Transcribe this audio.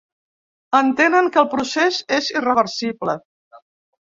Entenen que el procés és irreversible.